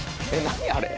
何あれ？